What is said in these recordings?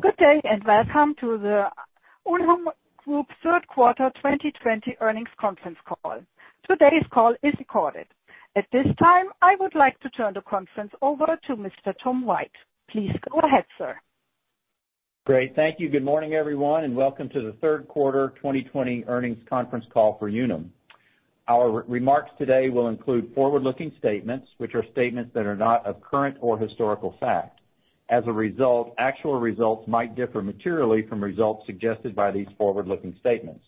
Good day, welcome to the Unum Group third quarter 2020 earnings conference call. Today's call is recorded. At this time, I would like to turn the conference over to Mr. Tom White. Please go ahead, sir. Great. Thank you. Good morning, everyone, welcome to the third quarter 2020 earnings conference call for Unum. Our remarks today will include forward-looking statements, which are statements that are not of current or historical fact. As a result, actual results might differ materially from results suggested by these forward-looking statements.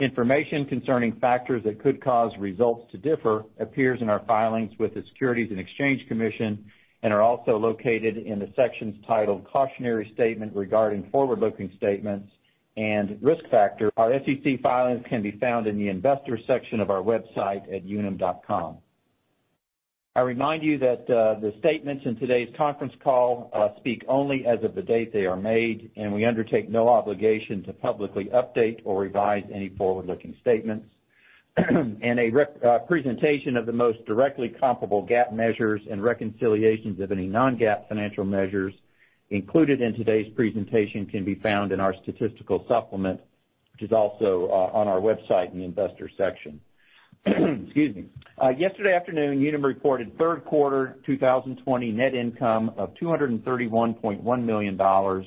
Information concerning factors that could cause results to differ appears in our filings with the Securities and Exchange Commission and are also located in the sections titled Cautionary Statement Regarding Forward-Looking Statements and Risk Factors. Our SEC filings can be found in the investors section of our website at unum.com. I remind you that the statements in today's conference call speak only as of the date they are made, we undertake no obligation to publicly update or revise any forward-looking statements. A presentation of the most directly comparable GAAP measures and reconciliations of any non-GAAP financial measures included in today's presentation can be found in our statistical supplement, which is also on our website in the Investor section. Excuse me. Yesterday afternoon, Unum reported third quarter 2020 net income of $231.1 million, or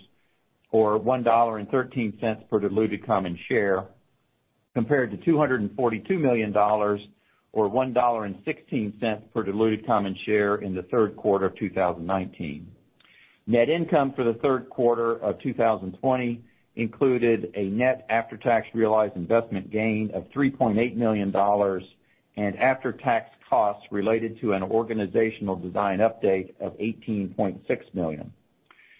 $1.13 per diluted common share, compared to $242 million, or $1.16 per diluted common share in the third quarter of 2019. Net income for the third quarter of 2020 included a net after-tax realized investment gain of $3.8 million and after-tax costs related to an organizational design update of $18.6 million.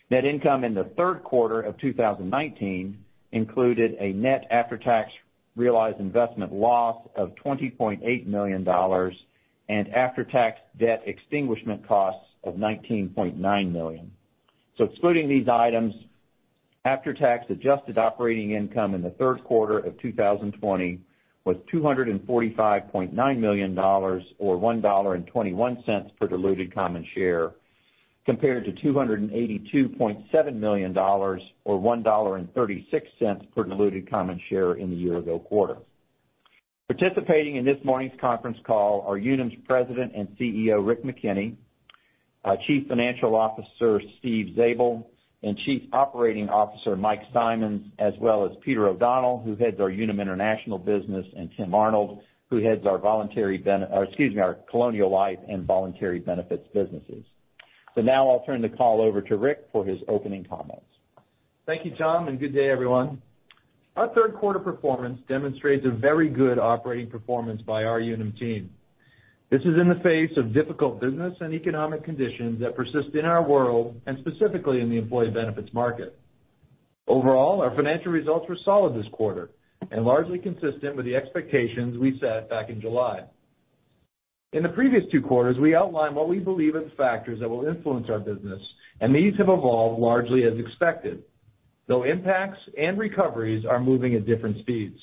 Net income in the third quarter of 2019 included a net after-tax realized investment loss of $20.8 million and after-tax debt extinguishment costs of $19.9 million. Excluding these items, after-tax adjusted operating income in the third quarter of 2020 was $245.9 million, or $1.21 per diluted common share, compared to $282.7 million, or $1.36 per diluted common share in the year-ago quarter. Participating in this morning's conference call are Unum's President and CEO, Rick McKenney, Chief Financial Officer, Steve Zabel, and Chief Operating Officer, Mike Simonds, as well as Peter O'Donnell, who heads our Unum International business, and Tim Arnold, who heads our Colonial Life and Voluntary Benefits businesses. Now I'll turn the call over to Rick for his opening comments. Thank you, Tom, and good day, everyone. Our third quarter performance demonstrates a very good operating performance by our Unum team. This is in the face of difficult business and economic conditions that persist in our world and specifically in the employee benefits market. Overall, our financial results were solid this quarter and largely consistent with the expectations we set back in July. In the previous two quarters, we outlined what we believe are the factors that will influence our business, and these have evolved largely as expected, though impacts and recoveries are moving at different speeds.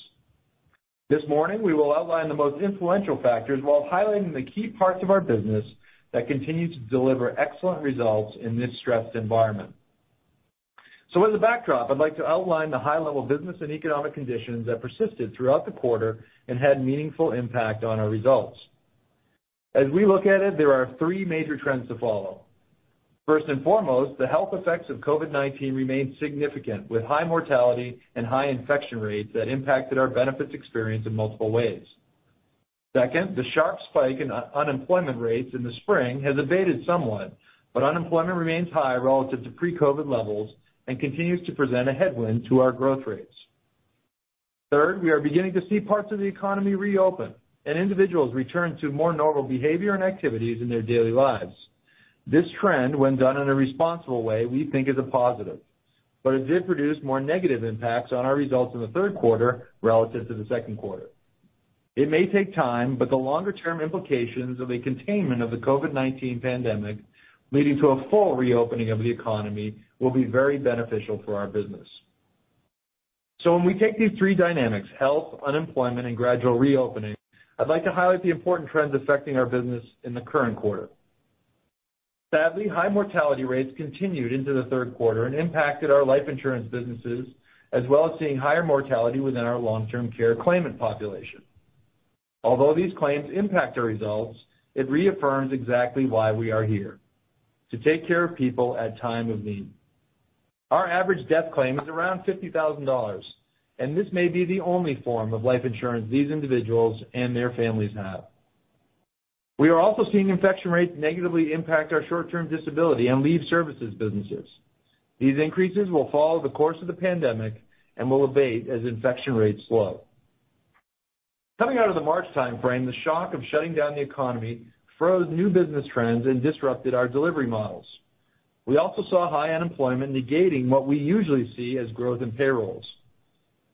This morning, we will outline the most influential factors while highlighting the key parts of our business that continue to deliver excellent results in this stressed environment. As a backdrop, I'd like to outline the high-level business and economic conditions that persisted throughout the quarter and had a meaningful impact on our results. As we look at it, there are three major trends to follow. First and foremost, the health effects of COVID-19 remain significant, with high mortality and high infection rates that impacted our benefits experience in multiple ways. Second, the sharp spike in unemployment rates in the spring has abated somewhat, but unemployment remains high relative to pre-COVID levels and continues to present a headwind to our growth rates. Third, we are beginning to see parts of the economy reopen and individuals return to more normal behavior and activities in their daily lives. This trend, when done in a responsible way, we think is a positive, but it did produce more negative impacts on our results in the third quarter relative to the second quarter. It may take time, but the longer-term implications of a containment of the COVID-19 pandemic, leading to a full reopening of the economy, will be very beneficial for our business. When we take these three dynamics, health, unemployment, and gradual reopening, I'd like to highlight the important trends affecting our business in the current quarter. Sadly, high mortality rates continued into the third quarter and impacted our life insurance businesses, as well as seeing higher mortality within our long-term care claimant population. Although these claims impact our results, it reaffirms exactly why we are here, to take care of people at a time of need. Our average death claim is around $50,000, and this may be the only form of life insurance these individuals and their families have. We are also seeing infection rates negatively impact our short-term disability and leave services businesses. These increases will follow the course of the pandemic and will abate as infection rates slow. Coming out of the March timeframe, the shock of shutting down the economy froze new business trends and disrupted our delivery models. We also saw high unemployment negating what we usually see as growth in payrolls.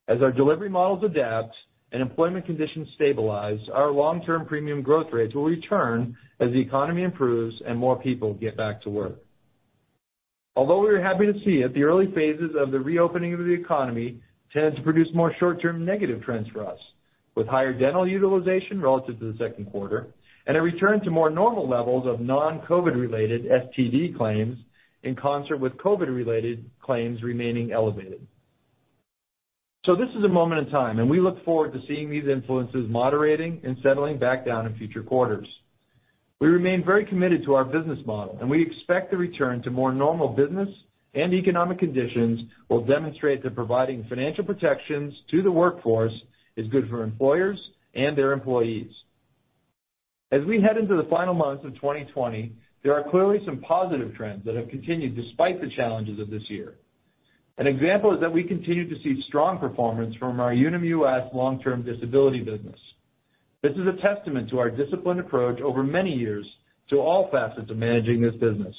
As our delivery models adapt and employment conditions stabilize, our long-term premium growth rates will return as the economy improves and more people get back to work. Although we are happy to see it, the early phases of the reopening of the economy tend to produce more short-term negative trends for us. With higher dental utilization relative to the second quarter, and a return to more normal levels of non-COVID related STD claims, in concert with COVID related claims remaining elevated. This is a moment in time, and we look forward to seeing these influences moderating and settling back down in future quarters. We remain very committed to our business model, and we expect the return to more normal business and economic conditions will demonstrate that providing financial protections to the workforce is good for employers and their employees. As we head into the final months of 2020, there are clearly some positive trends that have continued despite the challenges of this year. An example is that we continue to see strong performance from our Unum US long-term disability business. This is a testament to our disciplined approach over many years to all facets of managing this business.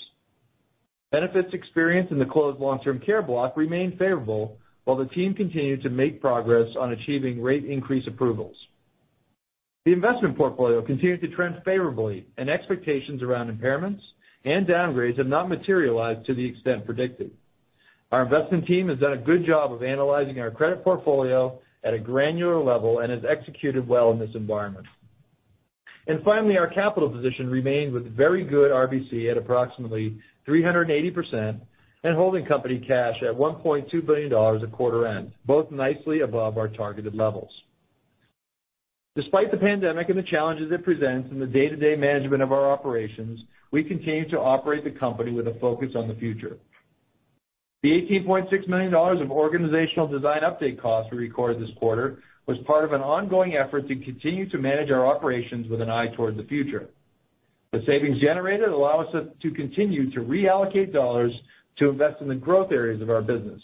Benefits experienced in the closed long-term care block remain favorable, while the team continued to make progress on achieving rate increase approvals. The investment portfolio continued to trend favorably, and expectations around impairments and downgrades have not materialized to the extent predicted. Our investment team has done a good job of analyzing our credit portfolio at a granular level and has executed well in this environment. Finally, our capital position remains with very good RBC at approximately 380% and holding company cash at $1.2 billion at quarter end, both nicely above our targeted levels. Despite the pandemic and the challenges it presents in the day-to-day management of our operations, we continue to operate the company with a focus on the future. The $18.6 million of organizational design update costs we recorded this quarter was part of an ongoing effort to continue to manage our operations with an eye toward the future. The savings generated allow us to continue to reallocate dollars to invest in the growth areas of our business.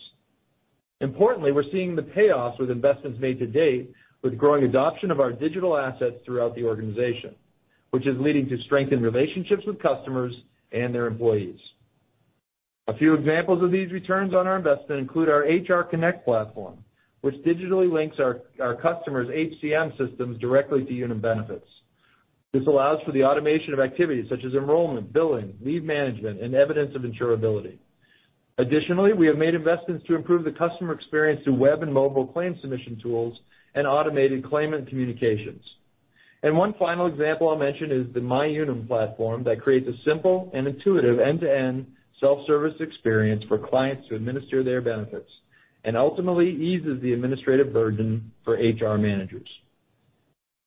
Importantly, we're seeing the payoffs with investments made to date with growing adoption of our digital assets throughout the organization, which is leading to strengthened relationships with customers and their employees. A few examples of these returns on our investment include our Unum HR Connect platform, which digitally links our customers' HCM systems directly to Unum benefits. This allows for the automation of activities such as enrollment, billing, lead management, and evidence of insurability. Additionally, we have made investments to improve the customer experience through web and mobile claim submission tools and automated claimant communications. One final example I'll mention is the MyUnum platform that creates a simple and intuitive end-to-end self-service experience for clients to administer their benefits, and ultimately eases the administrative burden for HR managers.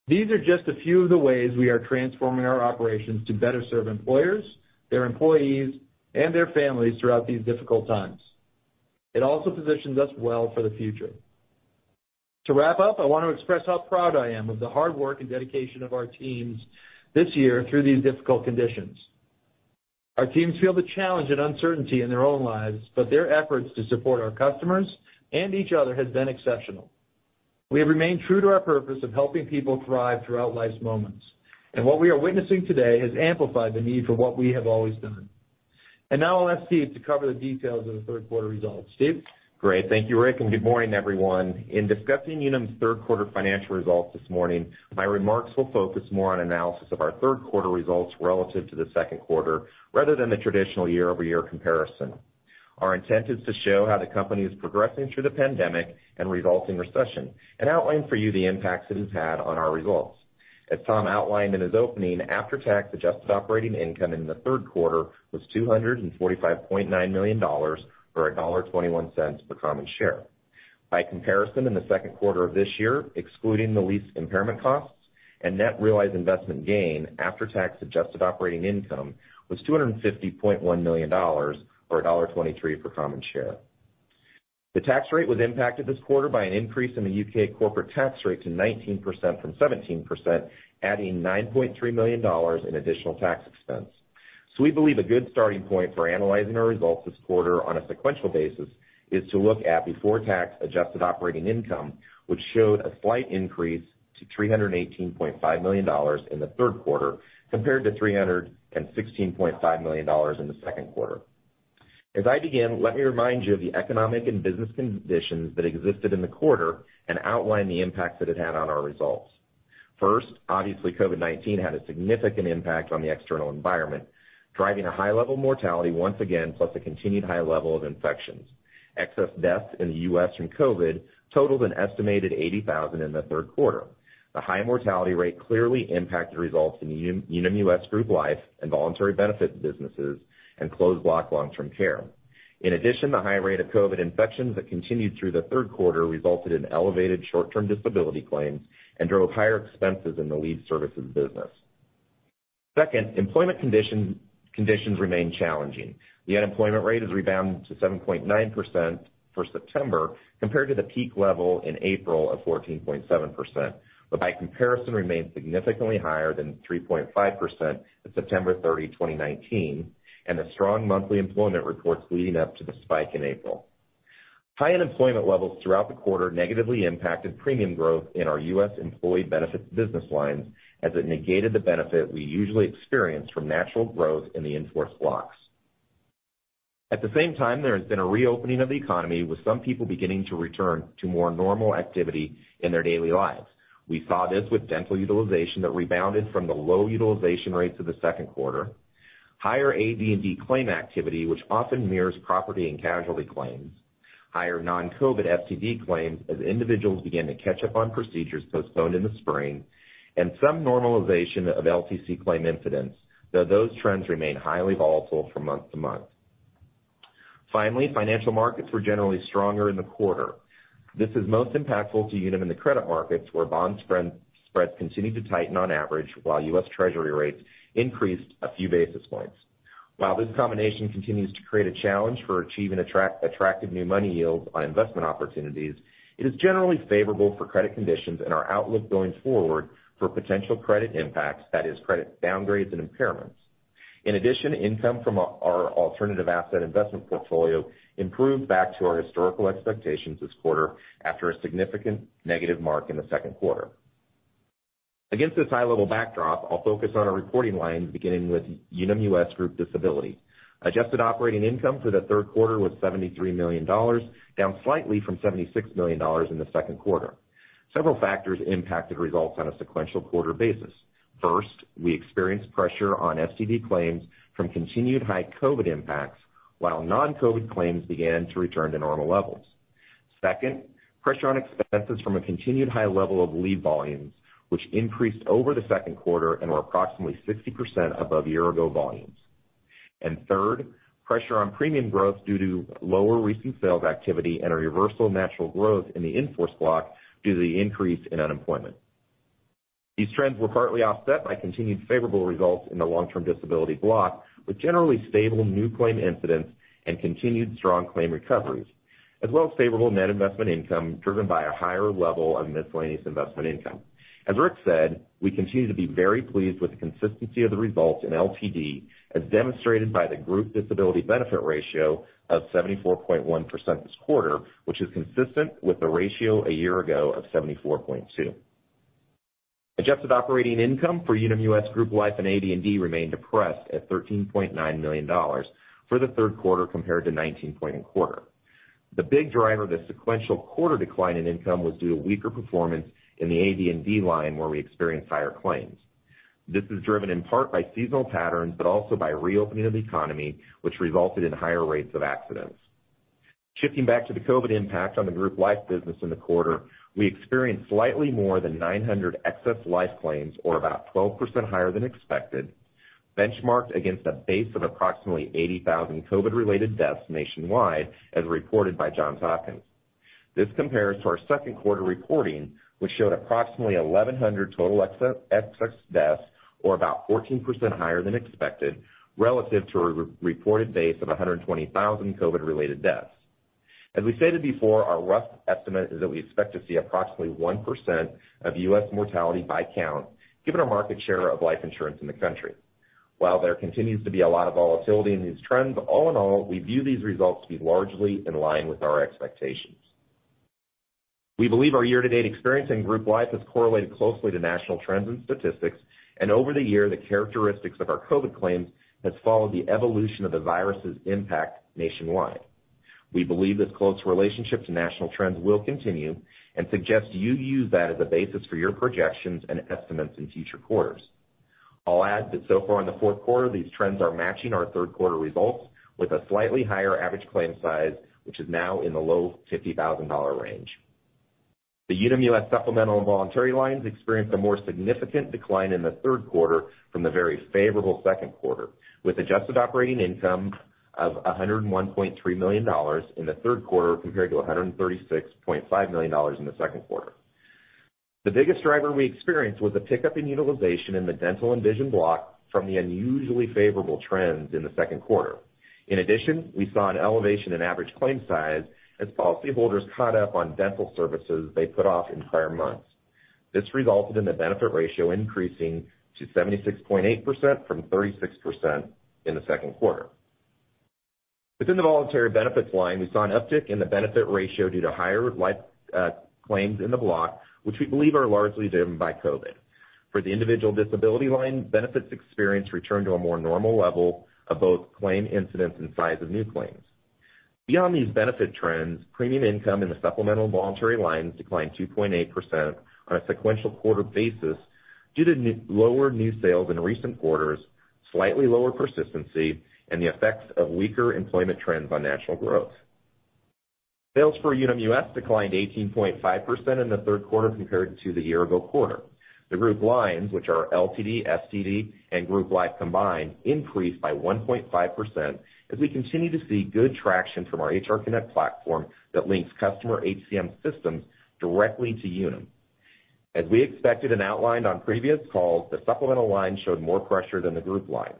These are just a few of the ways we are transforming our operations to better serve employers, their employees, and their families throughout these difficult times. It also positions us well for the future. To wrap up, I want to express how proud I am of the hard work and dedication of our teams this year through these difficult conditions. Our teams feel the challenge and uncertainty in their own lives, but their efforts to support our customers and each other has been exceptional. We have remained true to our purpose of helping people thrive throughout life's moments, and what we are witnessing today has amplified the need for what we have always done. I'll ask Steve to cover the details of the third quarter results. Steve? Great. Thank you, Rick, and good morning, everyone. In discussing Unum's third quarter financial results this morning, my remarks will focus more on analysis of our third quarter results relative to the second quarter, rather than the traditional year-over-year comparison. Our intent is to show how the company is progressing through the pandemic and resulting recession, and outline for you the impacts it has had on our results. As Tom outlined in his opening, after-tax adjusted operating income in the third quarter was $245.9 million, or $1.21 per common share. By comparison, in the second quarter of this year, excluding the lease impairment costs and net realized investment gain, after-tax adjusted operating income was $250.1 million, or $1.23 per common share. The tax rate was impacted this quarter by an increase in the U.K. corporate tax rate to 19% from 17%, adding $9.3 million in additional tax expense. We believe a good starting point for analyzing our results this quarter on a sequential basis is to look at before tax adjusted operating income, which showed a slight increase to $318.5 million in the third quarter compared to $316.5 million in the second quarter. As I begin, let me remind you of the economic and business conditions that existed in the quarter and outline the impact that it had on our results. First, obviously, COVID-19 had a significant impact on the external environment, driving a high level mortality once again, plus a continued high level of infections. Excess deaths in the U.S. from COVID totaled an estimated 80,000 in the third quarter. The high mortality rate clearly impacted results in Unum US Group Life and voluntary benefits businesses, and closed block Long-Term Care. In addition, the high rate of COVID infections that continued through the third quarter resulted in elevated Short-Term Disability claims and drove higher expenses in the lead services business. Second, employment conditions remained challenging. The unemployment rate has rebounded to 7.9% for September, compared to the peak level in April of 14.7%, but by comparison remains significantly higher than 3.5% at September 30, 2019, and the strong monthly employment reports leading up to the spike in April. High unemployment levels throughout the quarter negatively impacted premium growth in our U.S. employee benefits business lines, as it negated the benefit we usually experience from natural growth in the in-force blocks. At the same time, there has been a reopening of the economy, with some people beginning to return to more normal activity in their daily lives. We saw this with dental utilization that rebounded from the low utilization rates of the second quarter, higher AD&D claim activity, which often mirrors property and casualty claims, higher non-COVID STD claims as individuals begin to catch up on procedures postponed in the spring, and some normalization of LTC claim incidents, though those trends remain highly volatile from month to month. Financial markets were generally stronger in the quarter. This is most impactful to Unum in the credit markets, where bond spreads continued to tighten on average while U.S. Treasury rates increased a few basis points. While this combination continues to create a challenge for achieving attractive new money yields on investment opportunities, it is generally favorable for credit conditions and our outlook going forward for potential credit impacts, that is, credit downgrades and impairments. Income from our alternative asset investment portfolio improved back to our historical expectations this quarter after a significant negative mark in the second quarter. Against this high-level backdrop, I'll focus on our reporting lines, beginning with Unum US Group Disability. Adjusted operating income for the third quarter was $73 million, down slightly from $76 million in the second quarter. Several factors impacted results on a sequential quarter basis. First, we experienced pressure on STD claims from continued high COVID impacts, while non-COVID claims began to return to normal levels. Second, pressure on expenses from a continued high level of leave volumes, which increased over the second quarter and were approximately 60% above year-ago volumes. Third, pressure on premium growth due to lower recent sales activity and a reversal of natural growth in the in-force block due to the increase in unemployment. These trends were partly offset by continued favorable results in the long-term disability block, with generally stable new claim incidents and continued strong claim recoveries, as well as favorable net investment income driven by a higher level of miscellaneous investment income. As Rick said, we continue to be very pleased with the consistency of the results in LTD, as demonstrated by the group disability benefit ratio of 74.1% this quarter, which is consistent with the ratio a year-ago of 74.2%. Adjusted operating income for Unum US Group Life and AD&D remained depressed at $13.9 million for the third quarter compared to 19 point this quarter. The big driver of the sequential quarter decline in income was due to weaker performance in the AD&D line where we experienced higher claims. This is driven in part by seasonal patterns, but also by reopening of the economy, which resulted in higher rates of accidents. Shifting back to the COVID impact on the group life business in the quarter, we experienced slightly more than 900 excess life claims or about 12% higher than expected, benchmarked against a base of approximately 80,000 COVID-related deaths nationwide, as reported by Johns Hopkins. This compares to our second quarter reporting, which showed approximately 1,100 total excess deaths, or about 14% higher than expected, relative to a reported base of 120,000 COVID-related deaths. As we stated before, our rough estimate is that we expect to see approximately 1% of U.S. mortality by count, given our market share of life insurance in the country. While there continues to be a lot of volatility in these trends, all in all, we view these results to be largely in line with our expectations. We believe our year-to-date experience in Group Life has correlated closely to national trends and statistics, and over the year, the characteristics of our COVID claims has followed the evolution of the virus's impact nationwide. We believe this close relationship to national trends will continue and suggest you use that as a basis for your projections and estimates in future quarters. I'll add that so far in the fourth quarter, these trends are matching our third quarter results with a slightly higher average claim size, which is now in the low $50,000 range. The Unum US Supplemental and Voluntary lines experienced a more significant decline in the third quarter from the very favorable second quarter, with adjusted operating income of $101.3 million in the third quarter compared to $136.5 million in the second quarter. The biggest driver we experienced was a pickup in utilization in the dental and vision block from the unusually favorable trends in the second quarter. In addition, we saw an elevation in average claim size as policyholders caught up on dental services they put off entire months. This resulted in the benefit ratio increasing to 76.8% from 36% in the second quarter. Within the Voluntary Benefits line, we saw an uptick in the benefit ratio due to higher life claims in the block, which we believe are largely driven by COVID. For the Individual Disability line, benefits experienced return to a more normal level of both claim incidents and size of new claims. Beyond these benefit trends, premium income in the Supplemental and Voluntary lines declined 2.8% on a sequential quarter basis due to lower new sales in recent quarters, slightly lower persistency, and the effects of weaker employment trends on natural growth. Sales for Unum US declined 18.5% in the third quarter compared to the year-ago quarter. The Group lines, which are LTD, STD, and Group Life combined, increased by 1.5% as we continue to see good traction from our HR Connect platform that links customer HCM systems directly to Unum. As we expected and outlined on previous calls, the Supplemental line showed more pressure than the Group lines.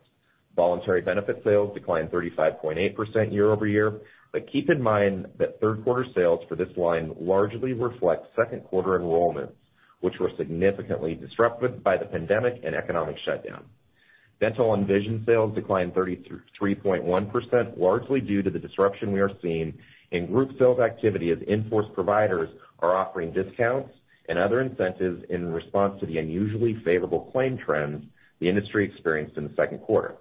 Voluntary Benefits sales declined 35.8% year-over-year, but keep in mind that third quarter sales for this line largely reflect second quarter enrollments, which were significantly disrupted by the pandemic and economic shutdown. Dental and Vision sales declined 33.1%, largely due to the disruption we are seeing in group sales activity as in-force providers are offering discounts and other incentives in response to the unusually favorable claim trends the industry experienced in the second quarter.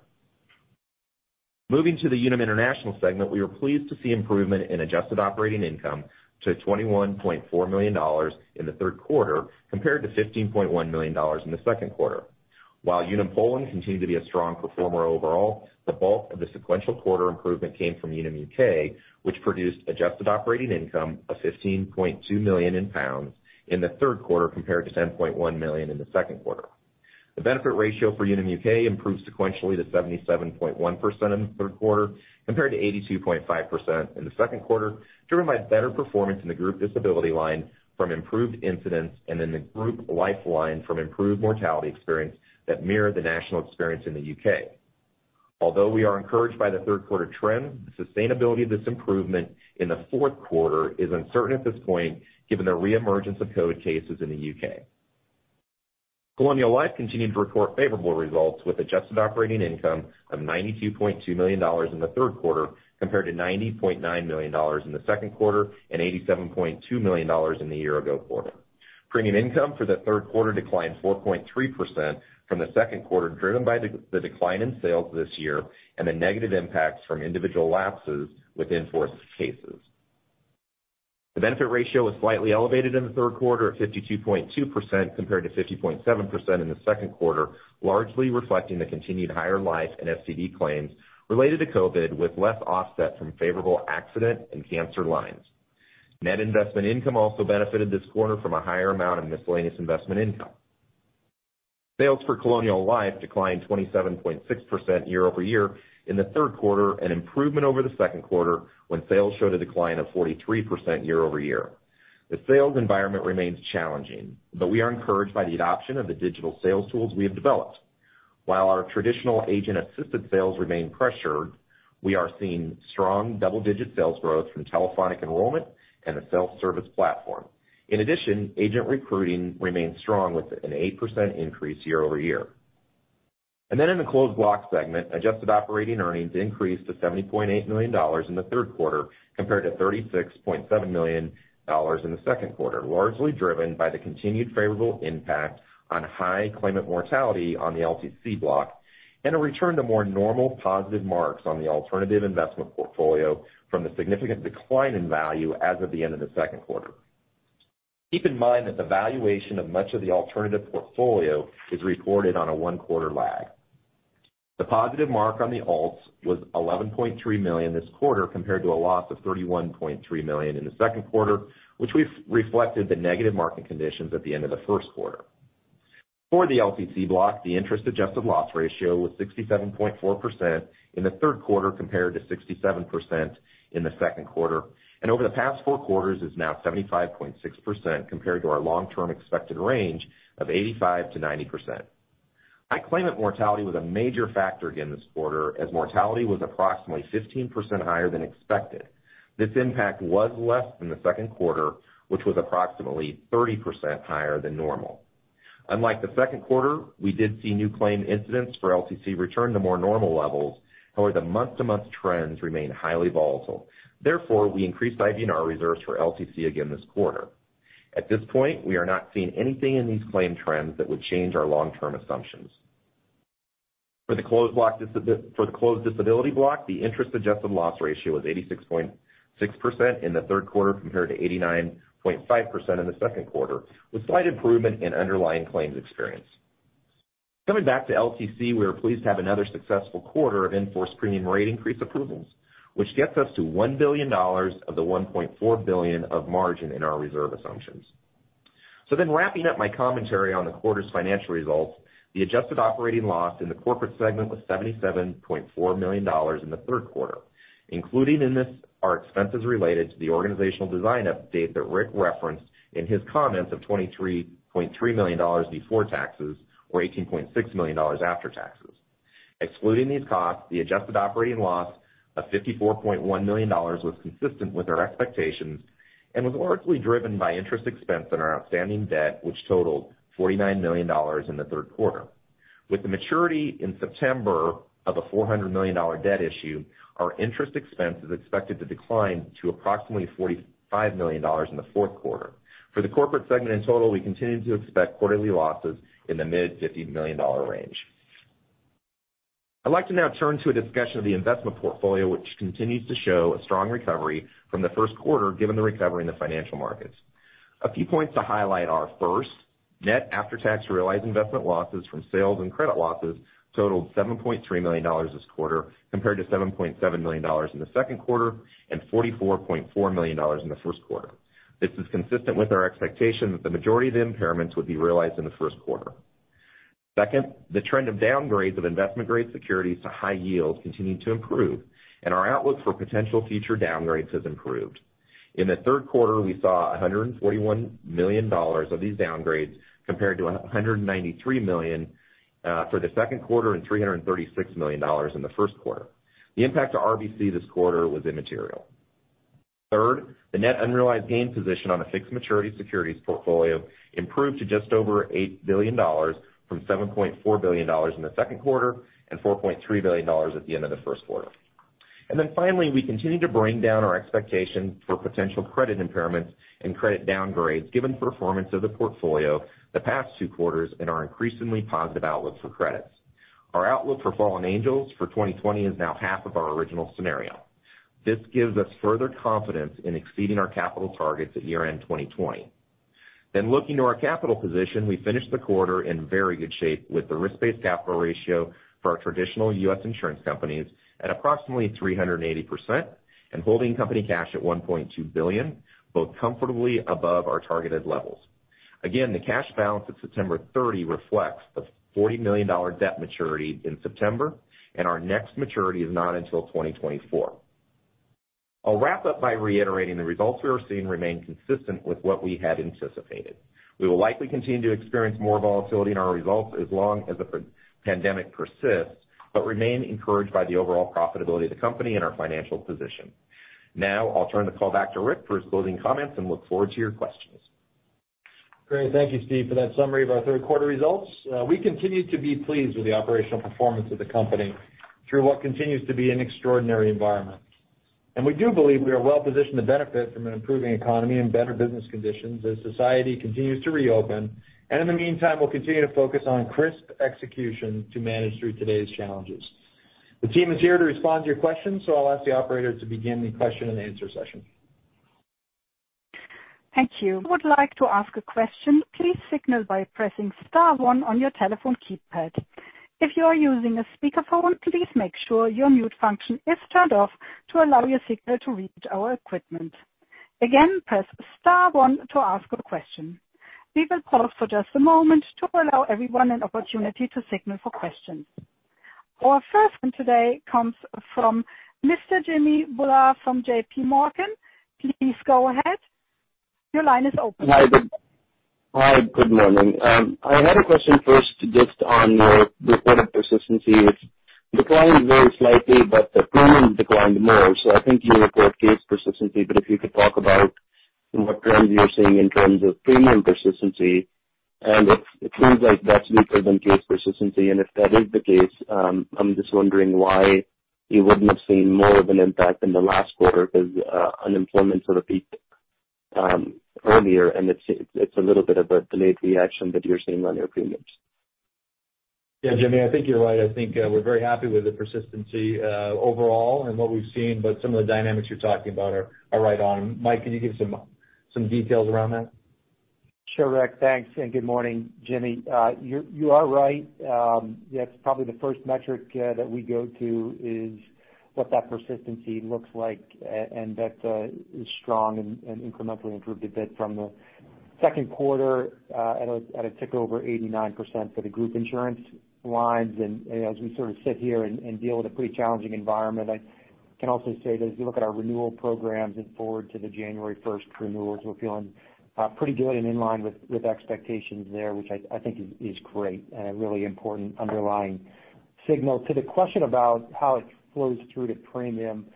Moving to the Unum International segment, we were pleased to see improvement in adjusted operating income to $21.4 million in the third quarter, compared to $15.1 million in the second quarter. While Unum Poland continued to be a strong performer overall, the bulk of the sequential quarter improvement came from Unum UK, which produced adjusted operating income of £15.2 million in the third quarter compared to £10.1 million in the second quarter. The benefit ratio for Unum UK improved sequentially to 77.1% in the third quarter compared to 82.5% in the second quarter, driven by better performance in the group disability line from improved incidents and in the group life line from improved mortality experience that mirrored the national experience in the U.K. Although we are encouraged by the third quarter trend, the sustainability of this improvement in the fourth quarter is uncertain at this point, given the reemergence of COVID cases in the U.K. Colonial Life continued to report favorable results with adjusted operating income of $92.2 million in the third quarter compared to $90.9 million in the second quarter, and $87.2 million in the year-ago quarter. Premium income for the third quarter declined 4.3% from the second quarter, driven by the decline in sales this year and the negative impacts from individual lapses with in-force cases. The benefit ratio was slightly elevated in the third quarter at 52.2% compared to 50.7% in the second quarter, largely reflecting the continued higher life and FCD claims related to COVID, with less offset from favorable accident and cancer lines. Net investment income also benefited this quarter from a higher amount of miscellaneous investment income. Sales for Colonial Life declined 27.6% year-over-year in the third quarter, an improvement over the second quarter when sales showed a decline of 43% year-over-year. The sales environment remains challenging, but we are encouraged by the adoption of the digital sales tools we have developed. While our traditional agent-assisted sales remain pressured, we are seeing strong double-digit sales growth from telephonic enrollment and the self-service platform. In addition, agent recruiting remains strong with an 8% increase year-over-year. In the Closed Block segment, adjusted operating earnings increased to $70.8 million in the third quarter compared to $36.7 million in the second quarter, largely driven by the continued favorable impact on high claimant mortality on the LTC block, and a return to more normal positive marks on the alternative investment portfolio from the significant decline in value as of the end of the second quarter. Keep in mind that the valuation of much of the alternative portfolio is reported on a one-quarter lag. The positive mark on the alts was $11.3 million this quarter, compared to a loss of $31.3 million in the second quarter, which reflected the negative market conditions at the end of the first quarter. For the LTC block, the interest-adjusted loss ratio was 67.4% in the third quarter compared to 67% in the second quarter, and over the past four quarters is now 75.6% compared to our long-term expected range of 85%-90%. High claimant mortality was a major factor again this quarter, as mortality was approximately 15% higher than expected. This impact was less than the second quarter, which was approximately 30% higher than normal. Unlike the second quarter, we did see new claim incidents for LTC return to more normal levels. However, the month-to-month trends remain highly volatile. Therefore, we increased IBNR reserves for LTC again this quarter. At this point, we are not seeing anything in these claim trends that would change our long-term assumptions. For the Closed Disability block, the interest-adjusted loss ratio was 86.6% in the third quarter compared to 89.5% in the second quarter, with slight improvement in underlying claims experience. Coming back to LTC, we are pleased to have another successful quarter of in-force premium rate increase approvals, which gets us to $1 billion of the $1.4 billion of margin in our reserve assumptions. Wrapping up my commentary on the quarter's financial results, the adjusted operating loss in the Corporate segment was $77.4 million in the third quarter. Included in this are expenses related to the organizational design update that Rick referenced in his comments of $23.3 million before taxes, or $18.6 million after taxes. Excluding these costs, the adjusted operating loss of $54.1 million was consistent with our expectations and was largely driven by interest expense on our outstanding debt, which totaled $49 million in the third quarter. With the maturity in September of a $400 million debt issue, our interest expense is expected to decline to approximately $45 million in the fourth quarter. For the Corporate segment in total, we continue to expect quarterly losses in the mid-$50 million range. I'd like to now turn to a discussion of the investment portfolio, which continues to show a strong recovery from the first quarter given the recovery in the financial markets. A few points to highlight are, first, net after-tax realized investment losses from sales and credit losses totaled $7.3 million this quarter compared to $7.7 million in the second quarter and $44.4 million in the first quarter. This is consistent with our expectation that the majority of the impairments would be realized in the first quarter. Second, the trend of downgrades of investment-grade securities to high yield continued to improve, and our outlook for potential future downgrades has improved. In the third quarter, we saw $141 million of these downgrades compared to $193 million for the second quarter and $336 million in the first quarter. The impact to RBC this quarter was immaterial. Third, the net unrealized gain position on the fixed maturity securities portfolio improved to just over $8 billion from $7.4 billion in the second quarter, and $4.3 billion at the end of the first quarter. Finally, we continue to bring down our expectations for potential credit impairments and credit downgrades, given the performance of the portfolio the past two quarters and our increasingly positive outlook for credits. Our outlook for fallen angels for 2020 is now half of our original scenario. This gives us further confidence in exceeding our capital targets at year-end 2020. Looking to our capital position, we finished the quarter in very good shape with the risk-based capital ratio for our traditional U.S. insurance companies at approximately 380% and holding company cash at $1.2 billion, both comfortably above our targeted levels. Again, the cash balance at September 30 reflects the $40 million debt maturity in September, and our next maturity is not until 2024. I'll wrap up by reiterating the results we are seeing remain consistent with what we had anticipated. We will likely continue to experience more volatility in our results as long as the pandemic persists but remain encouraged by the overall profitability of the company and our financial position. Now I'll turn the call back to Rick for his closing comments and look forward to your questions. Great. Thank you, Steve, for that summary of our third quarter results. We continue to be pleased with the operational performance of the company through what continues to be an extraordinary environment. We do believe we are well-positioned to benefit from an improving economy and better business conditions as society continues to reopen, and in the meantime, we'll continue to focus on crisp execution to manage through today's challenges. The team is here to respond to your questions, so I'll ask the operator to begin the question and answer session. Thank you. If you would like to ask a question, please signal by pressing star one on your telephone keypad. If you are using a speakerphone, please make sure your mute function is turned off to allow your signal to reach our equipment. Again, press star one to ask a question. We will pause for just a moment to allow everyone an opportunity to signal for questions. Our first one today comes from Mr. Jimmy Bhullar from J.P. Morgan. Please go ahead. Your line is open. Hi. Good morning. I had a question first just on your reported persistency. It declined very slightly, but the premium declined more. I think you report case persistency, but if you could talk about what trends you're seeing in terms of premium persistency, and it seems like that's weaker than case persistency, and if that is the case, I'm just wondering why you wouldn't have seen more of an impact in the last quarter because unemployment sort of peaked earlier, and it's a little bit of a delayed reaction that you're seeing on your premiums. Yeah, Jimmy, I think you're right. I think we're very happy with the persistency overall and what we've seen, but some of the dynamics you're talking about are right on. Mike, can you give some details around that? Sure, Rick. Thanks. Good morning, Jimmy. You are right. That's probably the first metric that we go to is what that persistency looks like. That is strong and incrementally improved a bit from the second quarter at a tick over 89% for the group insurance lines. As we sort of sit here and deal with a pretty challenging environment, I can also say that as we look at our renewal programs and forward to the January 1st renewals, we're feeling pretty good and in line with expectations there, which I think is great and a really important underlying signal. To the question about how it flows through to premium,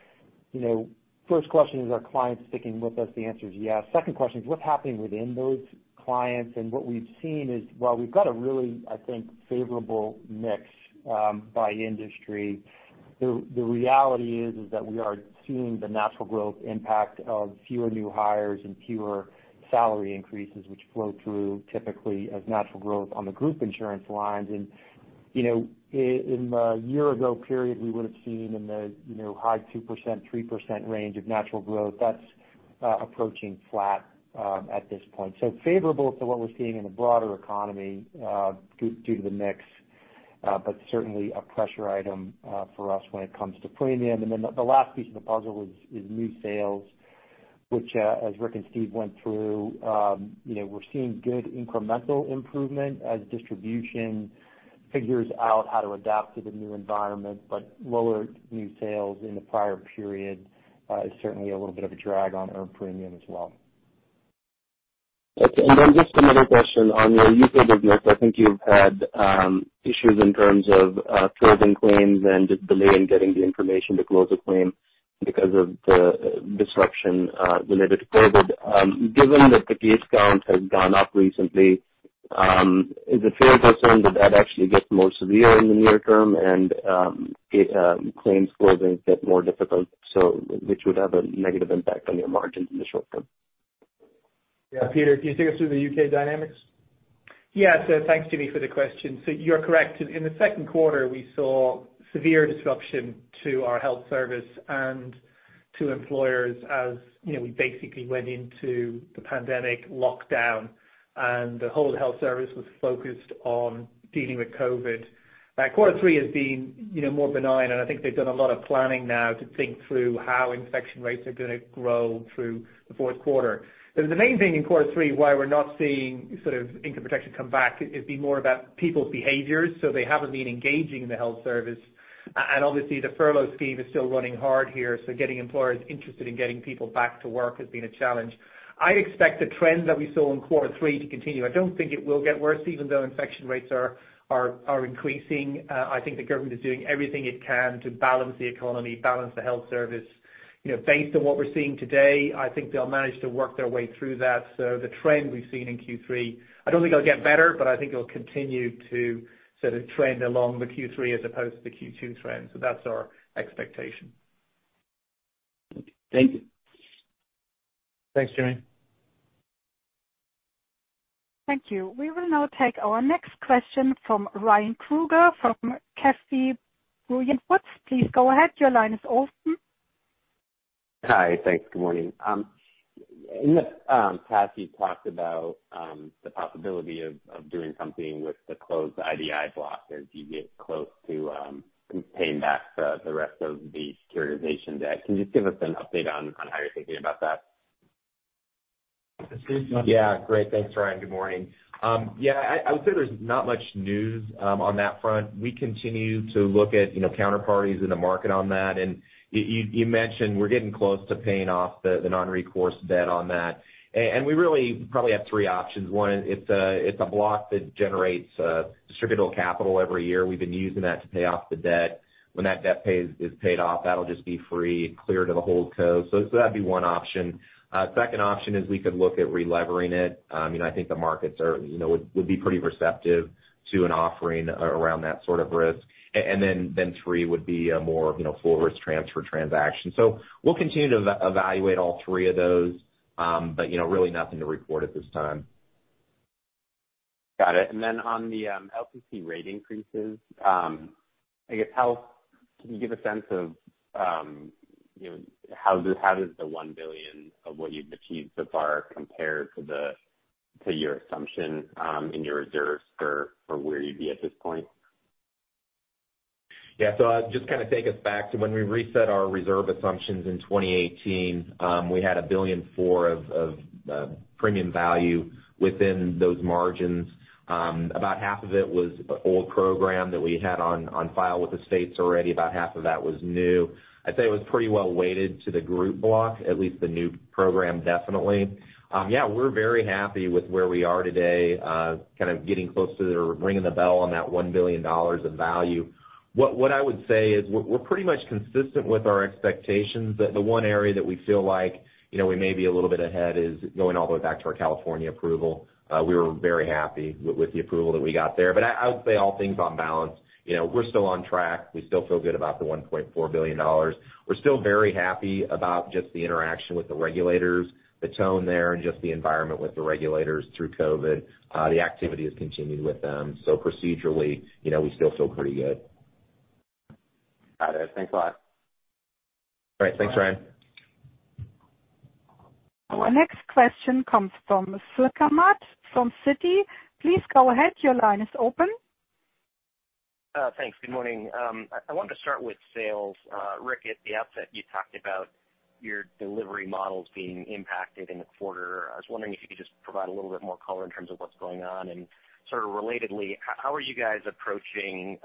first question, is our clients sticking with us? The answer is yes. Second question is what's happening within those clients? What we've seen is while we've got a really, I think, favorable mix by industry, the reality is that we are seeing the natural growth impact of fewer new hires and fewer salary increases, which flow through typically as natural growth on the group insurance lines. In the year ago period, we would've seen in the high 2%-3% range of natural growth. That's approaching flat at this point. Favorable to what we're seeing in the broader economy due to the mix, but certainly a pressure item for us when it comes to premium. The last piece of the puzzle is new sales, which, as Rick and Steve went through, we're seeing good incremental improvement as distribution figures out how to adapt to the new environment, but lower new sales in the prior period is certainly a little bit of a drag on earned premium as well. Okay. Just another question on your U.K. business. I think you've had issues in terms of closing claims and just delay in getting the information to close a claim because of the disruption related to COVID. Given that the case count has gone up recently, is it a fair concern that that actually gets more severe in the near term and claims closing get more difficult, which would have a negative impact on your margins in the short term? Peter, can you take us through the U.K. dynamics? Thanks, Jimmy, for the question. You're correct. In the second quarter, we saw severe disruption to our health service and to employers as we basically went into the pandemic lockdown, and the whole health service was focused on dealing with COVID-19. Quarter three has been more benign, and I think they've done a lot of planning now to think through how infection rates are going to grow through the fourth quarter. The main thing in quarter three why we're not seeing income protection come back is more about people's behaviors. They haven't been engaging the health service. Obviously the furlough scheme is still running hard here, so getting employers interested in getting people back to work has been a challenge. I expect the trend that we saw in quarter three to continue. I don't think it will get worse even though infection rates are increasing. I think the government is doing everything it can to balance the economy, balance the health service. Based on what we're seeing today, I think they'll manage to work their way through that. The trend we've seen in Q3, I don't think it'll get better, but I think it'll continue to sort of trend along the Q3 as opposed to the Q2 trend. That's our expectation. Thank you. Thanks, Jimmy. Thank you. We will now take our next question from Ryan Krueger from Keefe, Bruyette & Woods. Please go ahead. Your line is open. Hi. Thanks. Good morning. In the past, you've talked about the possibility of doing something with the closed IDI block as you get close to paying back the rest of the securitization debt. Can you just give us an update on how you're thinking about that? Yeah. Great. Thanks, Ryan. Good morning. Yeah, I would say there's not much news on that front. We continue to look at counterparties in the market on that. You mentioned we're getting close to paying off the non-recourse debt on that. We really probably have three options. One, it's a block that generates distributable capital every year. We've been using that to pay off the debt. When that debt is paid off, that'll just be free and clear to the holdco. That'd be one option. Second option is we could look at relevering it. I think the markets would be pretty receptive to an offering around that sort of risk. Three would be a more full risk transfer transaction. We'll continue to evaluate all three of those. Really nothing to report at this time. Got it. On the LTC rate increases, I guess, can you give a sense of how does the $1 billion of what you've achieved so far compare to your assumption in your reserves for where you'd be at this point? Yeah. I'll just kind of take us back to when we reset our reserve assumptions in 2018. We had $1.4 billion of premium value within those margins. About half of it was old program that we had on file with the states already. About half of that was new. I'd say it was pretty well-weighted to the group block, at least the new program, definitely. Yeah, we're very happy with where we are today, kind of getting close to ringing the bell on that $1 billion of value. What I would say is we're pretty much consistent with our expectations. The one area that we feel like we may be a little bit ahead is going all the way back to our California approval. We were very happy with the approval that we got there. I would say all things on balance, we're still on track. We still feel good about the $1.4 billion. We're still very happy about just the interaction with the regulators, the tone there, and just the environment with the regulators through COVID. The activity has continued with them. Procedurally, we still feel pretty good. Got it. Thanks a lot. All right. Thanks, Ryan. Our next question comes from Suneet Kamath from Citi. Please go ahead. Your line is open. Thanks. Good morning. I wanted to start with sales. Rick, at the outset, you talked about your delivery models being impacted in the quarter. I was wondering if you could just provide a little bit more color in terms of what's going on, and sort of relatedly, how are you guys approaching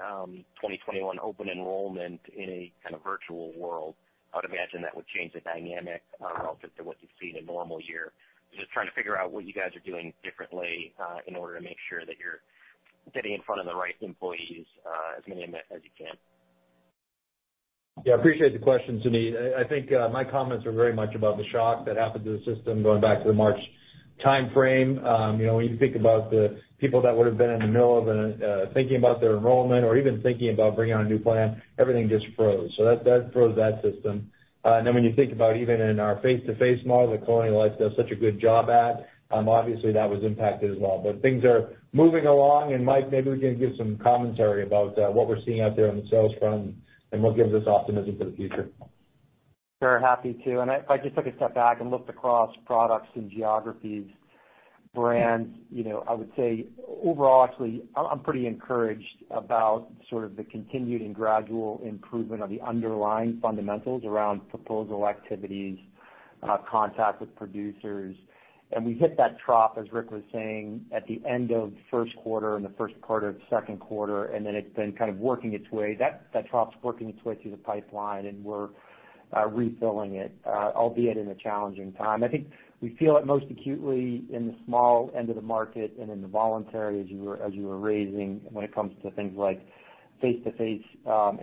2021 open enrollment in a kind of virtual world? I would imagine that would change the dynamic relative to what you've seen in normal year. Just trying to figure out what you guys are doing differently in order to make sure that you're getting in front of the right employees, as many of them as you can. Yeah, appreciate the question, Suneet Kamath. I think my comments are very much about the shock that happened to the system going back to the March timeframe. When you think about the people that would have been in the middle of thinking about their enrollment or even thinking about bringing on a new plan, everything just froze. That froze that system. When you think about even in our face-to-face model that Colonial Life does such a good job at, obviously that was impacted as well. Things are moving along, and Mike, maybe we can give some commentary about what we're seeing out there on the sales front and what gives us optimism for the future. Very happy to. If I just took a step back and looked across products and geographies, brands, I would say overall, actually, I'm pretty encouraged about sort of the continued and gradual improvement of the underlying fundamentals around proposal activities, contact with producers. We hit that trough, as Rick was saying, at the end of first quarter and the first part of second quarter, then it's been kind of working its way. That trough's working its way through the pipeline, and we're refilling it, albeit in a challenging time. I think we feel it most acutely in the small end of the market and in the voluntary, as you were raising when it comes to things like face-to-face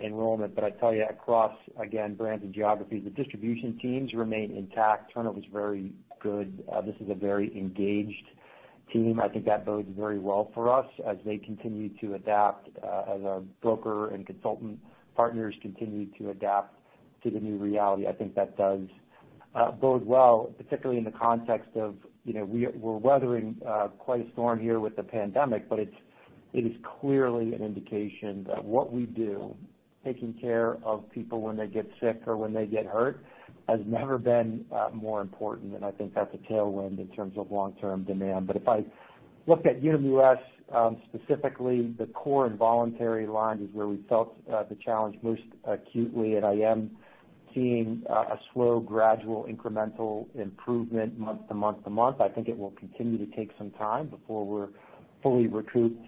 enrollment. I tell you, across, again, brands and geographies, the distribution teams remain intact. Turnover is very good. This is a very engaged team. I think that bodes very well for us as they continue to adapt, as our broker and consultant partners continue to adapt to the new reality. I think that does bode well, particularly in the context of we're weathering quite a storm here with the pandemic, but it is clearly an indication that what we do, taking care of people when they get sick or when they get hurt, has never been more important, and I think that's a tailwind in terms of long-term demand. If I look at Unum US specifically, the core and voluntary lines is where we felt the challenge most acutely, and I am seeing a slow, gradual, incremental improvement month to month to month. I think it will continue to take some time before we're fully recouped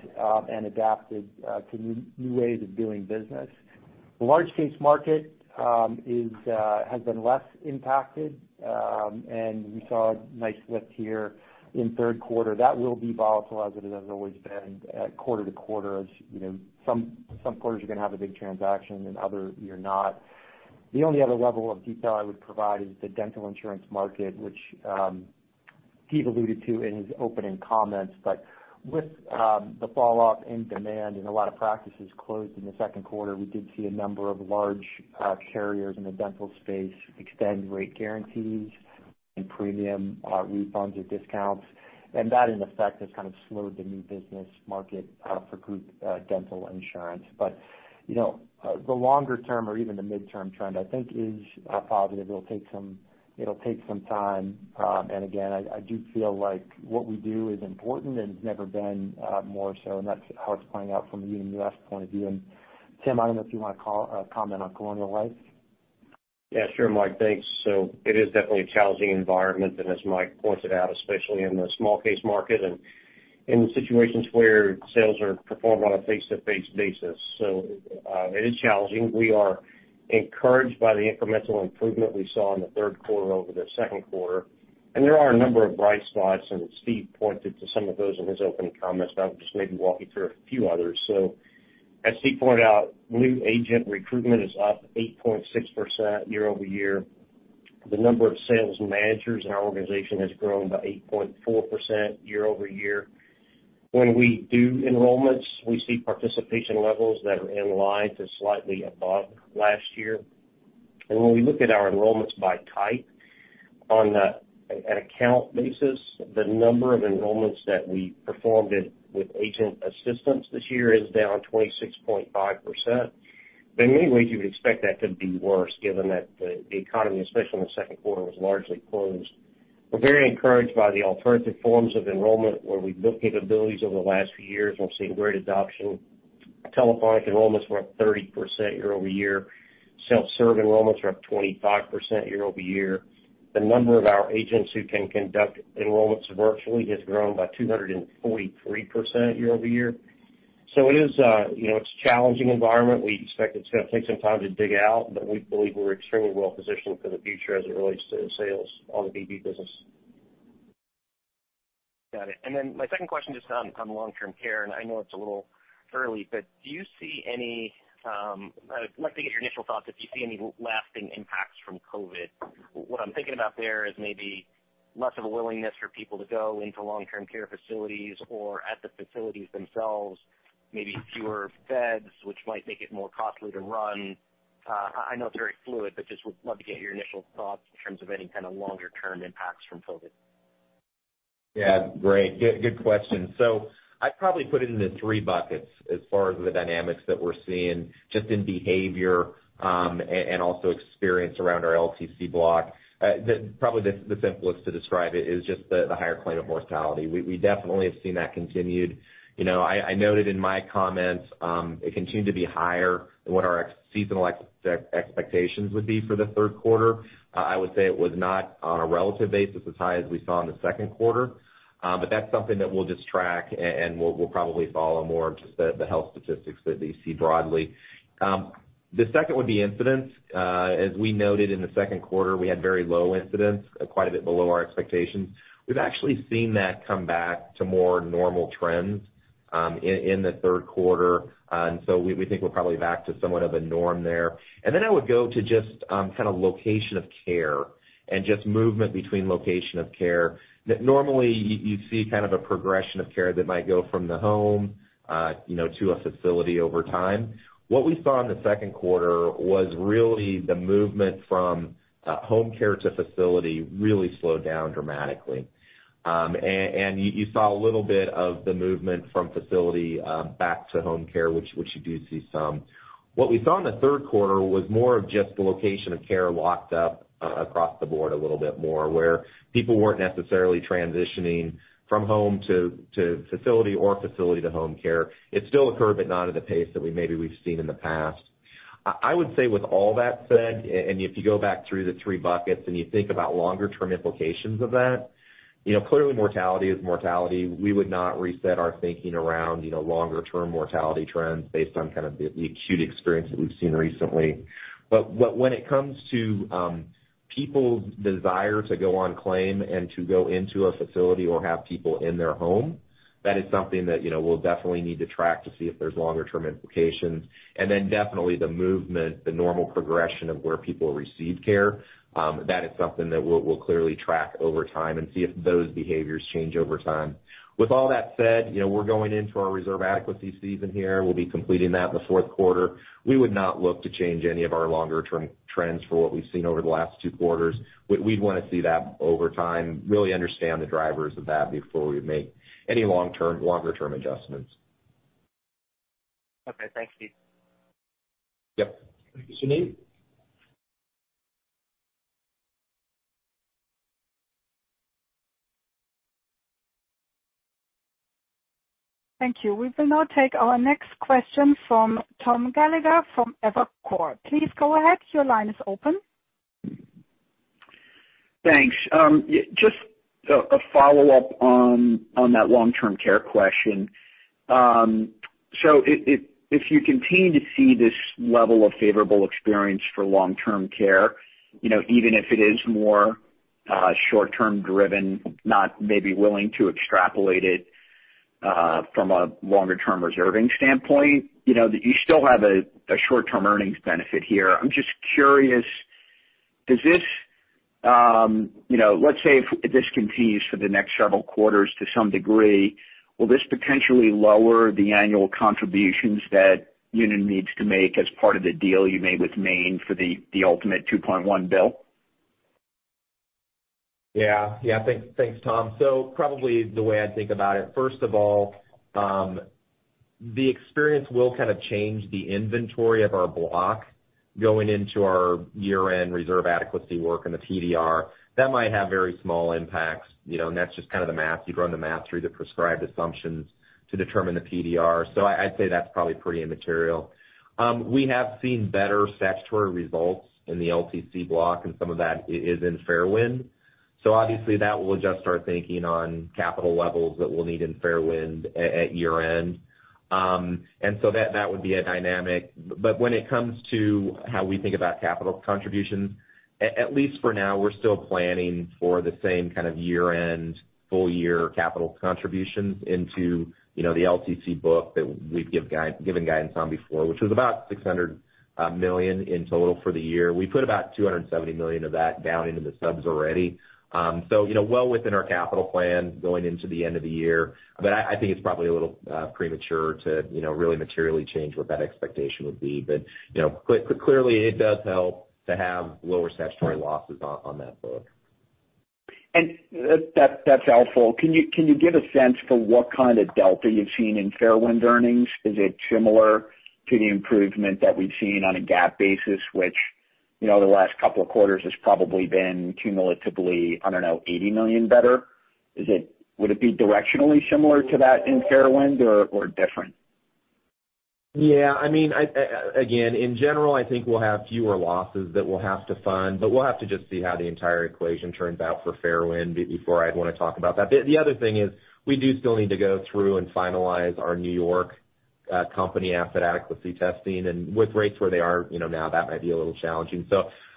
and adapted to new ways of doing business. The large case market has been less impacted. We saw a nice lift here in third quarter. That will be volatile as it has always been quarter to quarter. Some quarters you're going to have a big transaction, and other you're not. The only other level of detail I would provide is the dental insurance market. Steve alluded to in his opening comments, but with the falloff in demand and a lot of practices closed in the second quarter, we did see a number of large carriers in the dental space extend rate guarantees and premium refunds or discounts. That in effect, has kind of slowed the new business market for group dental insurance. The longer-term or even the midterm trend, I think, is positive. It'll take some time. Again, I do feel like what we do is important and has never been more so, and that's how it's playing out from a Unum US point of view. Tim, I don't know if you want to comment on Colonial Life? Sure, Mike. Thanks. It is definitely a challenging environment, and as Mike pointed out, especially in the small case market, and in the situations where sales are performed on a face-to-face basis. It is challenging. We are encouraged by the incremental improvement we saw in the third quarter over the second quarter, and there are a number of bright spots, and Steve pointed to some of those in his opening comments, but I'll just maybe walk you through a few others. As Steve pointed out, new agent recruitment is up 8.6% year-over-year. The number of sales managers in our organization has grown by 8.4% year-over-year. When we do enrollments, we see participation levels that are in line to slightly above last year. When we look at our enrollments by type on an account basis, the number of enrollments that we performed with agent assistance this year is down 26.5%. In many ways, you would expect that to be worse given that the economy, especially in the second quarter, was largely closed. We're very encouraged by the alternative forms of enrollment, where we've built capabilities over the last few years and we've seen great adoption. Telephonic enrollments were up 30% year-over-year. Self-serve enrollments are up 25% year-over-year. The number of our agents who can conduct enrollments virtually has grown by 243% year-over-year. It's a challenging environment. We expect it's going to take some time to dig out, but we believe we're extremely well positioned for the future as it relates to sales on the DB business. Got it. My second question, just on long-term care, and I know it's a little early, but I'd like to get your initial thoughts if you see any lasting impacts from COVID-19. What I'm thinking about there is maybe less of a willingness for people to go into long-term care facilities or at the facilities themselves, maybe fewer beds, which might make it more costly to run. I know it's very fluid, but just would love to get your initial thoughts in terms of any kind of longer-term impacts from COVID-19. Great. Good question. I'd probably put it into three buckets as far as the dynamics that we're seeing just in behavior, and also experience around our LTC block. Probably the simplest to describe it is just the higher claim of mortality. We definitely have seen that continued. I noted in my comments, it continued to be higher than what our seasonal expectations would be for the third quarter. I would say it was not on a relative basis as high as we saw in the second quarter. That's something that we'll just track and we'll probably follow more of just the health statistics that we see broadly. The second would be incidents. As we noted in the second quarter, we had very low incidents, quite a bit below our expectations. We've actually seen that come back to more normal trends in the third quarter. We think we're probably back to somewhat of a norm there. Then I would go to just kind of location of care and just movement between location of care. Normally you see kind of a progression of care that might go from the home to a facility over time. What we saw in the second quarter was really the movement from home care to facility really slowed down dramatically. You saw a little bit of the movement from facility back to home care, which you do see some. What we saw in the third quarter was more of just the location of care locked up across the board a little bit more, where people weren't necessarily transitioning from home to facility or facility to home care. It still occurred, but not at the pace that maybe we've seen in the past. I would say with all that said, if you go back through the three buckets and you think about longer-term implications of that, clearly mortality is mortality. We would not reset our thinking around longer-term mortality trends based on kind of the acute experience that we've seen recently. When it comes to people's desire to go on claim and to go into a facility or have people in their home, that is something that we'll definitely need to track to see if there's longer-term implications. Definitely the movement, the normal progression of where people receive care. That is something that we'll clearly track over time and see if those behaviors change over time. With all that said, we're going into our reserve adequacy season here. We'll be completing that in the fourth quarter. We would not look to change any of our longer-term trends for what we've seen over the last two quarters. We'd want to see that over time, really understand the drivers of that before we make any longer-term adjustments. Okay. Thanks, Steve. Yep. Thank you. Suneet? Thank you. We will now take our next question from Tom Gallagher from Evercore. Please go ahead. Your line is open. Thanks. Just a follow-up on that Long-Term Care question. If you continue to see this level of favorable experience for Long-Term Care, even if it is more short-term driven, not maybe willing to extrapolate it from a longer-term reserving standpoint, you still have a short-term earnings benefit here. I'm just curious, let's say if this continues for the next several quarters to some degree, will this potentially lower the annual contributions that Unum needs to make as part of the deal you made with Maine for the ultimate $2.1 billion? Yeah. Thanks, Tom. Probably the way I think about it, first of all, the experience will kind of change the inventory of our block going into our year-end reserve adequacy work in the PDR. That might have very small impacts, and that's just kind of the math. You run the math through the prescribed assumptions to determine the PDR. I'd say that's probably pretty immaterial. We have seen better statutory results in the LTC block, and some of that is in Fairwind. Obviously that will adjust our thinking on capital levels that we'll need in Fairwind at year-end. That would be a dynamic. When it comes to how we think about capital contributions, at least for now, we're still planning for the same kind of year-end full-year capital contributions into the LTC book that we've given guidance on before, which was about $600 million in total for the year. We put about $270 million of that down into the subs already. Well within our capital plan going into the end of the year. I think it's probably a little premature to really materially change what that expectation would be. Clearly, it does help to have lower statutory losses on that book. That's helpful. Can you give a sense for what kind of delta you've seen in Fairwind earnings? Is it similar to the improvement that we've seen on a GAAP basis, which the last couple of quarters has probably been cumulatively, I don't know, $80 million better? Would it be directionally similar to that in Fairwind or different? Yeah. Again, in general, I think we'll have fewer losses that we'll have to fund, but we'll have to just see how the entire equation turns out for Fairwind before I'd want to talk about that. The other thing is, we do still need to go through and finalize our New York company asset adequacy testing. With rates where they are now, that might be a little challenging.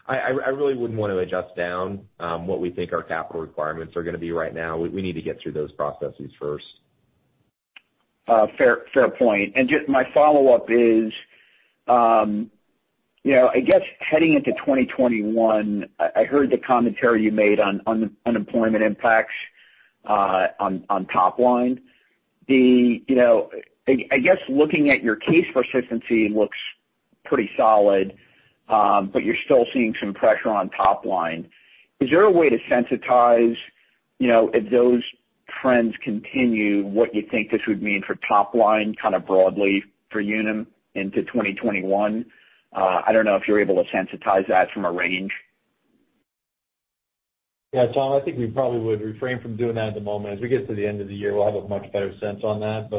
I really wouldn't want to adjust down what we think our capital requirements are going to be right now. We need to get through those processes first. Fair point. My follow-up is, I guess heading into 2021, I heard the commentary you made on unemployment impacts on top line. I guess looking at your case persistency looks pretty solid, but you're still seeing some pressure on top line. Is there a way to sensitize if those trends continue, what you think this would mean for top line kind of broadly for Unum into 2021? I don't know if you're able to sensitize that from a range. Yeah, Tom, I think we probably would refrain from doing that at the moment. As we get to the end of the year, we'll have a much better sense on that.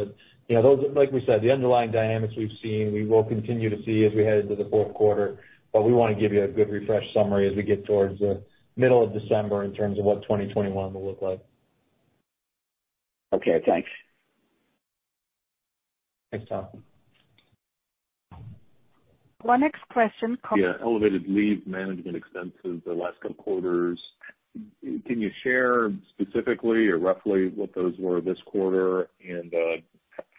Like we said, the underlying dynamics we've seen, we will continue to see as we head into the fourth quarter, but we want to give you a good refresh summary as we get towards the middle of December in terms of what 2021 will look like. Okay, thanks. Thanks, Tom. Our next question. Yeah, elevated leave management expenses the last couple of quarters. Can you share specifically or roughly what those were this quarter, and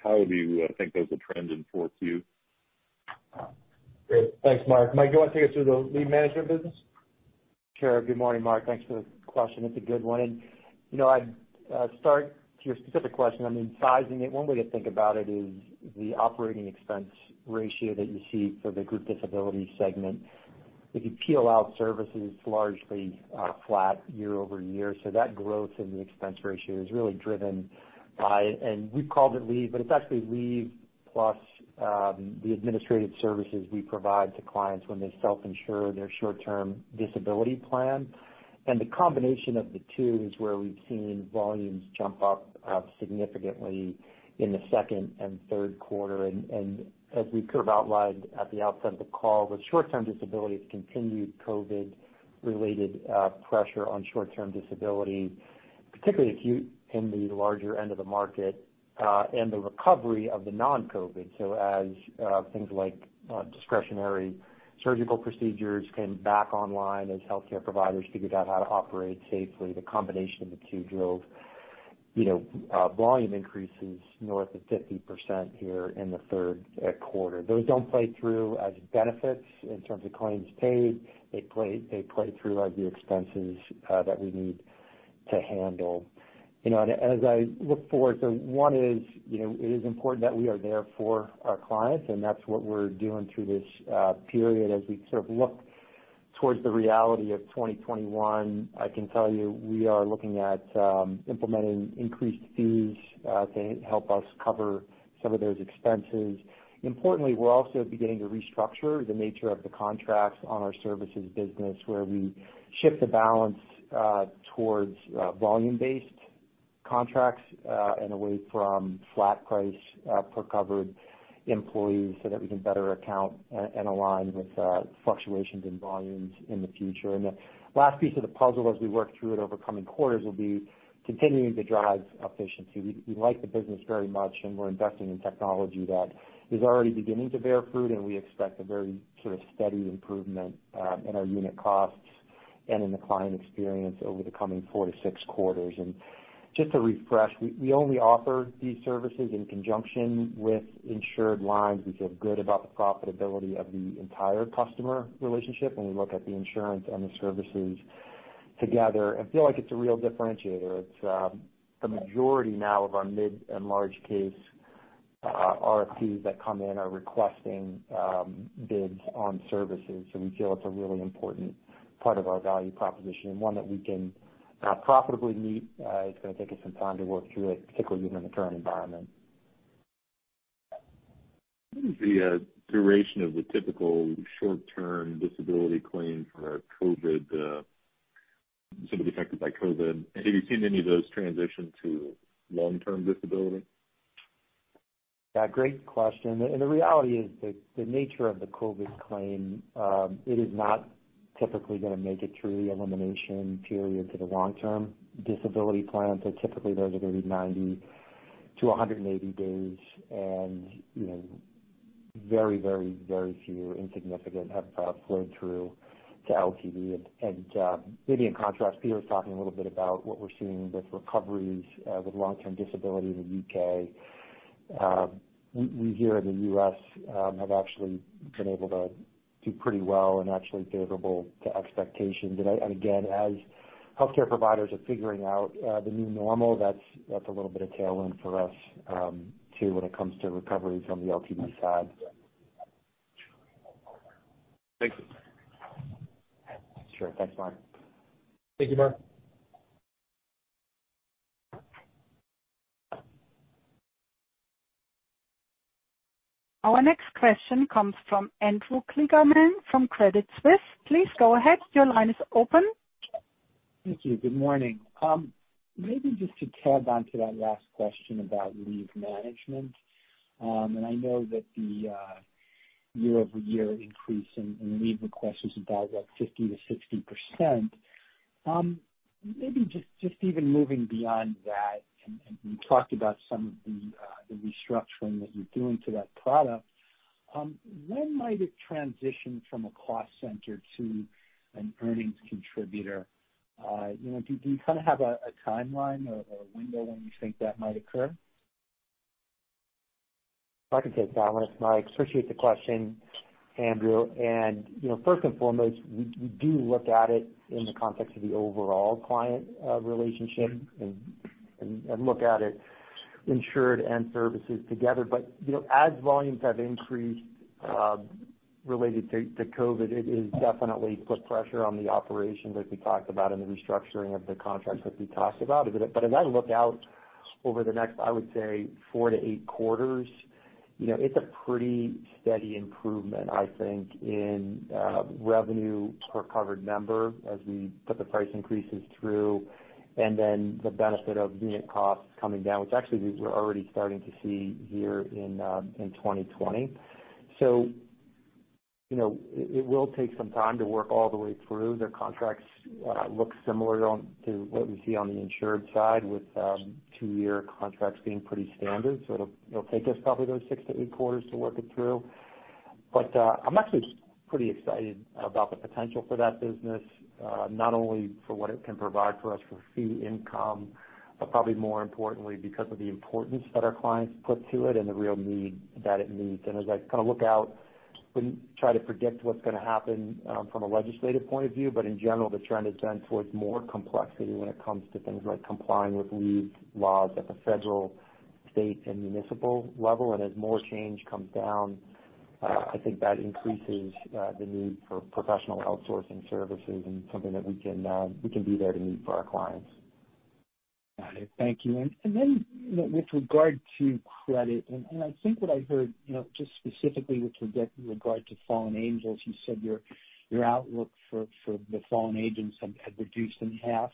how do you think those will trend in 4Q? Great. Thanks, Mark. Mike, do you want to take us through the leave management business? Sure. Good morning, Mark. Thanks for the question. It's a good one. I'd start to your specific question, I mean, sizing it, one way to think about it is the operating expense ratio that you see for the Group Disability segment. If you peel out services, it's largely flat year-over-year. That growth in the expense ratio is really driven by, and we've called it leave, but it's actually leave plus the administrative services we provide to clients when they self-insure their Short-Term Disability plan. The combination of the two is where we've seen volumes jump up significantly in the second and third quarter. As we sort of outlined at the outset of the call, with Short-Term Disability, continued COVID-related pressure on Short-Term Disability, particularly acute in the larger end of the market, and the recovery of the non-COVID. As things like discretionary surgical procedures came back online as healthcare providers figured out how to operate safely, the combination of the two drove volume increases north of 50% here in the third quarter. Those don't play through as benefits in terms of claims paid. They play through as the expenses that we need to handle. As I look forward, one is, it is important that we are there for our clients, and that's what we're doing through this period. As we sort of look towards the reality of 2021, I can tell you, we are looking at implementing increased fees to help us cover some of those expenses. Importantly, we're also beginning to restructure the nature of the contracts on our services business, where we shift the balance towards volume-based contracts and away from flat price per covered employee so that we can better account and align with fluctuations in volumes in the future. The last piece of the puzzle as we work through it over coming quarters will be continuing to drive efficiency. We like the business very much, and we're investing in technology that is already beginning to bear fruit, and we expect a very sort of steady improvement in our unit costs and in the client experience over the coming 4 to 6 quarters. Just to refresh, we only offer these services in conjunction with insured lines. We feel good about the profitability of the entire customer relationship when we look at the insurance and the services together. I feel like it's a real differentiator. It's the majority now of our mid and large case, RFPs that come in are requesting bids on services. We feel it's a really important part of our value proposition and one that we can profitably meet. It's going to take us some time to work through it, particularly within the current environment. What is the duration of the typical Short-Term Disability claim for somebody affected by COVID? Have you seen any of those transition to Long-Term Disability? Yeah, great question. The reality is that the nature of the COVID claim, it is not typically going to make it through the elimination period to the Long-Term Disability plan. Typically, those are going to be 90 to 180 days. Very, very few insignificant have flowed through to LTD. Maybe in contrast, Peter was talking a little bit about what we're seeing with recoveries with Long-Term Disability in the U.K. We here in the U.S. have actually been able to do pretty well and actually favorable to expectations. Again, as healthcare providers are figuring out the new normal, that's a little bit of tailwind for us, too, when it comes to recoveries on the LTD side. Thank you. Sure. Thanks, Mark. Thank you, Mark. Our next question comes from Andrew Kligerman from Credit Suisse. Please go ahead. Your line is open. Thank you. Good morning. Maybe just to tag onto that last question about leave management. I know that the year-over-year increase in leave requests is about 50%-60%. Maybe just even moving beyond that, you talked about some of the restructuring that you're doing to that product. When might it transition from a cost center to an earnings contributor? Do you have a timeline or a window when you think that might occur? I can take that one. I appreciate the question, Andrew. First and foremost, we do look at it in the context of the overall client relationship, and look at it insured and services together. As volumes have increased related to COVID, it has definitely put pressure on the operations, as we talked about, and the restructuring of the contracts that we talked about. As I look out over the next, I would say four to eight quarters, it's a pretty steady improvement, I think, in revenue per covered member as we put the price increases through and then the benefit of unit costs coming down, which actually we're already starting to see here in 2020. It will take some time to work all the way through. The contracts look similar to what we see on the insured side, with two-year contracts being pretty standard. It'll take us probably those six to eight quarters to work it through. I'm actually pretty excited about the potential for that business, not only for what it can provide for us for fee income, but probably more importantly, because of the importance that our clients put to it and the real need that it meets. As I look out, wouldn't try to predict what's going to happen from a legislative point of view, but in general, the trend has been towards more complexity when it comes to things like complying with leave laws at the federal, state, and municipal level. As more change comes down, I think that increases the need for professional outsourcing services and something that we can be there to meet for our clients. Got it. Thank you. With regard to credit, I think what I heard, just specifically with regard to Fallen Angels, you said your outlook for the Fallen Angels had reduced in half.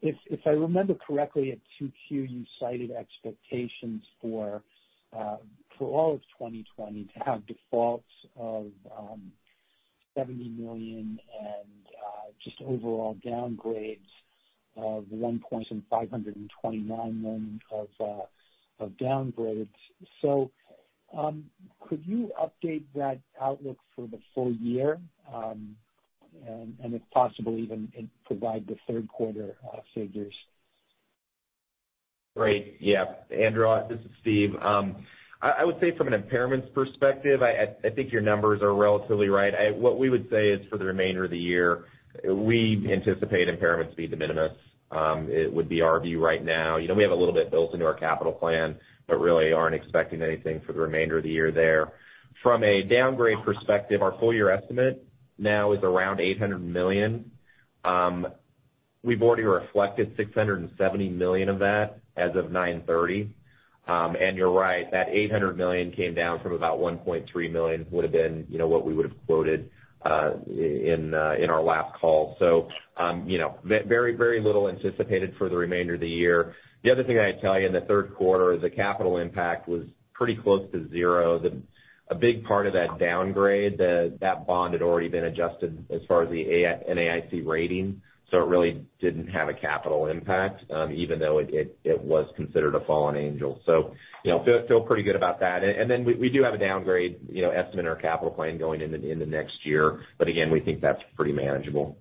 If I remember correctly, at 2Q, you cited expectations for all of 2020 to have defaults of $70 million and just overall downgrades of $1.529 million of downgrades. Could you update that outlook for the full year? If possible, even provide the third quarter figures. Great. Yeah. Andrew, this is Steve. I would say from an impairments perspective, I think your numbers are relatively right. What we would say is for the remainder of the year, we anticipate impairments to be de minimis. It would be our view right now. We have a little bit built into our capital plan, but really aren't expecting anything for the remainder of the year there. From a downgrade perspective, our full year estimate now is around $800 million. We've already reflected $670 million of that as of 9/30. You're right, that $800 million came down from about $1.3 million, would have been what we would have quoted in our last call. Very little anticipated for the remainder of the year. The other thing I'd tell you in the third quarter is the capital impact was pretty close to zero. A big part of that downgrade, that bond had already been adjusted as far as the NAIC rating. It really didn't have a capital impact, even though it was considered a fallen angel. Feel pretty good about that. Then we do have a downgrade estimate in our capital plan going into next year. Again, we think that's pretty manageable.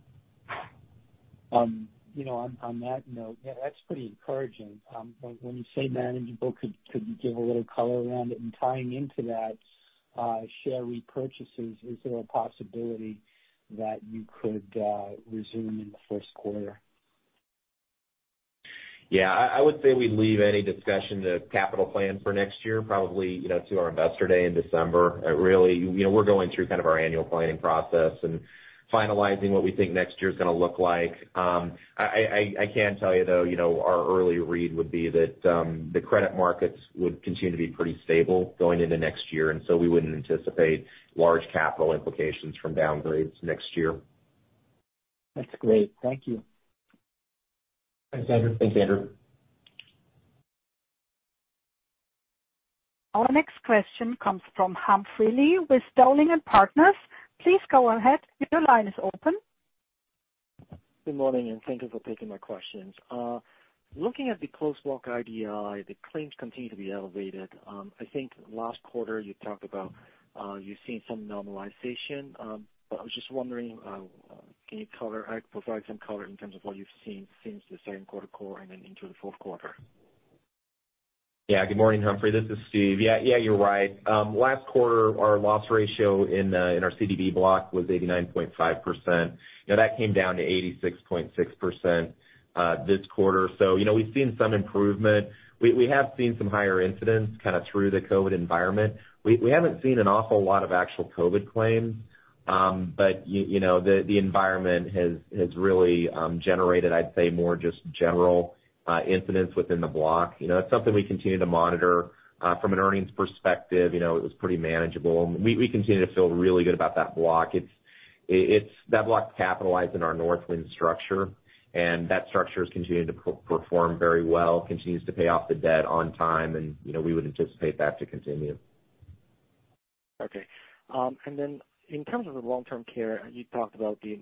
On that note, yeah, that's pretty encouraging. When you say manageable, could you give a little color around it? Tying into that, share repurchases, is there a possibility that you could resume in the first quarter? Yeah, I would say we'd leave any discussion to capital plan for next year, probably to our investor day in December. Really, we're going through kind of our annual planning process and finalizing what we think next year's going to look like. I can tell you, though, our early read would be that the credit markets would continue to be pretty stable going into next year, we wouldn't anticipate large capital implications from downgrades next year. That's great. Thank you. Thanks, Andrew. Thanks, Andrew. Our next question comes from Humphrey Lee with Dowling & Partners. Please go ahead. Your line is open. Good morning, and thank you for taking my questions. Looking at the closed block IDI, the claims continue to be elevated. I think last quarter you talked about you're seeing some normalization. I was just wondering, can you provide some color in terms of what you've seen since the second quarter call and then into the fourth quarter? Yeah. Good morning, Humphrey. This is Steve. Yeah, you're right. Last quarter, our loss ratio in our CDI block was 89.5%. That came down to 86.6% this quarter. We've seen some improvement. We have seen some higher incidents kind of through the COVID environment. We haven't seen an awful lot of actual COVID claims. The environment has really generated, I'd say, more just general incidents within the block. It's something we continue to monitor. From an earnings perspective, it was pretty manageable. We continue to feel really good about that block. That block's capitalized in our Northwind structure, and that structure has continued to perform very well, continues to pay off the debt on time, and we would anticipate that to continue. Okay. In terms of the Long-Term Care, you talked about the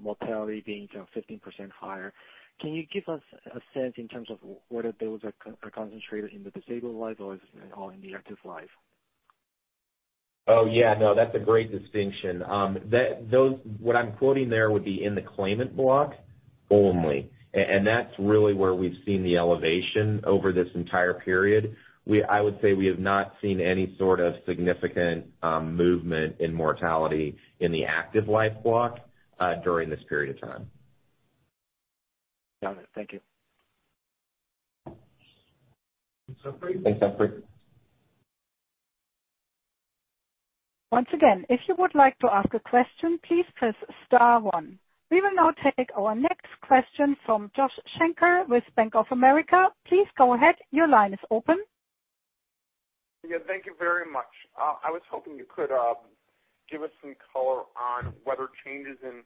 mortality being 15% higher. Can you give us a sense in terms of whether those are concentrated in the disabled life or is this all in the active life? Oh, yeah, no. That's a great distinction. What I'm quoting there would be in the claimant block only. That's really where we've seen the elevation over this entire period. I would say we have not seen any sort of significant movement in mortality in the active life block during this period of time. Got it. Thank you. Thanks, Humphrey. Thanks, Humphrey. Once again, if you would like to ask a question, please press star one. We will now take our next question from Josh Shanker with Bank of America. Please go ahead. Your line is open. Yeah, thank you very much. I was hoping you could give us some color on whether changes in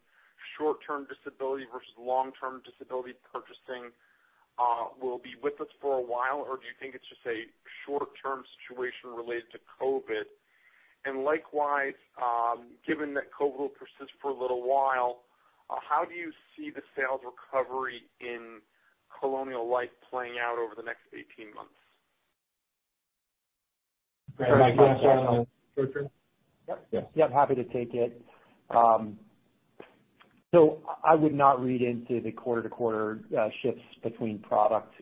short-term disability versus long-term disability purchasing will be with us for a while, or do you think it's just a short-term situation related to COVID? Likewise, given that COVID will persist for a little while, how do you see the sales recovery in Colonial Life playing out over the next 18 months? Can I take that, Mike? Short-term? Yep. Yeah. Yep, happy to take it. I would not read into the quarter-to-quarter shifts between product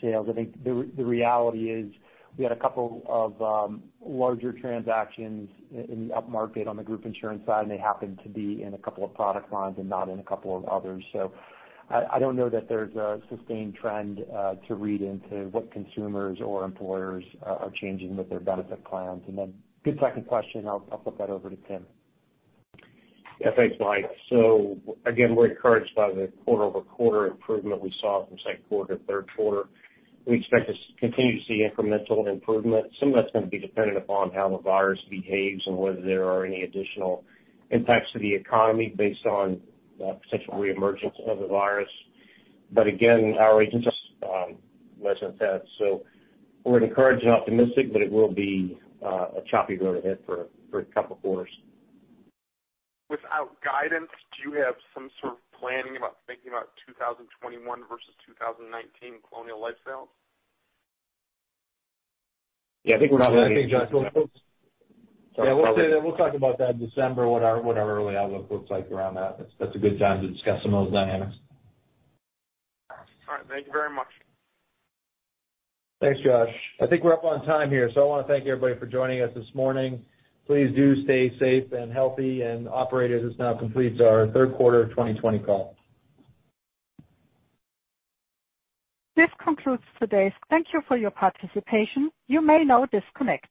sales. I think the reality is we had a couple of larger transactions in the upmarket on the group insurance side, and they happened to be in a couple of product lines and not in a couple of others. I don't know that there's a sustained trend to read into what consumers or employers are changing with their benefit plans. Good second question. I'll flip that over to Tim. Yeah, thanks, Mike. Again, we're encouraged by the quarter-over-quarter improvement we saw from second quarter to third quarter. We expect to continue to see incremental improvement. Some of that's going to be dependent upon how the virus behaves and whether there are any additional impacts to the economy based on potential reemergence of the virus. Again, our agents are less than that. We're encouraged and optimistic, but it will be a choppy road ahead for a couple of quarters. Without guidance, do you have some sort of planning about thinking about 2021 versus 2019 Colonial Life sales? Yeah, I think we're probably. Yeah, we'll say that we'll talk about that in December, what our early outlook looks like around that. That's a good time to discuss some of those dynamics. All right. Thank you very much. Thanks, Josh. I think we're up on time here, so I want to thank everybody for joining us this morning. Please do stay safe and healthy. Operators, this now completes our third quarter 2020 call. This concludes today's call. Thank you for your participation. You may now disconnect.